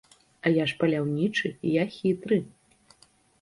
А я ж паляўнічы, я хітры.